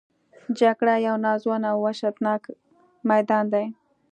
جګړه یو ناځوانه او وحشتناک میدان دی